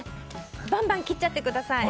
バンバン切っちゃってください。